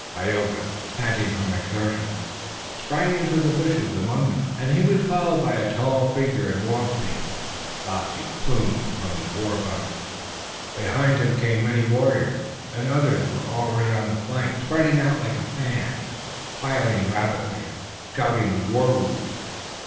Tayoga, panting from exertion, sprang into the bushes among them, and he was followed by a tall figure in war paint, lofty plumes waving from his war bonnet. Behind him came many warriors, and others were already on the flanks, spreading out like a fan, filing rapidly and shouting the war whoop.